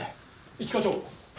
一課長。